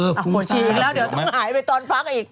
ผวดฉีย์แล้วต้องหายไปตอนพักอีก